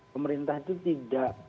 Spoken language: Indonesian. pemerintah itu tidak